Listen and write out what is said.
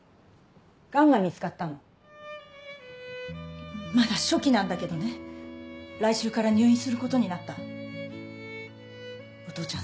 がんが見つかったのまだ初期なんだけどね来週から入院することになったお父ちゃん